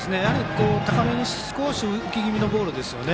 高めに浮き気味のボールですよね。